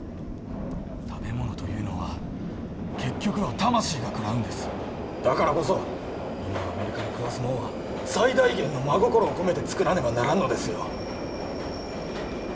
食べものというのは結局は魂が食らうんですだからこそ今アメリカに食わすもんは最大限の真心を込めて作らねばならんのですよ